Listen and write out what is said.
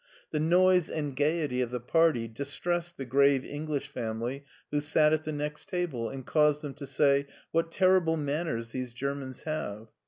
The noise and gayety of the party distressed the grave English family who sat at the next table, and caused them to say, " What terri ble manners these Germans have